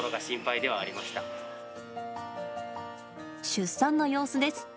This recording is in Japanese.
出産の様子です。